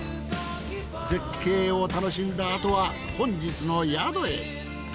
絶景を楽しんだ後は本日の宿へ。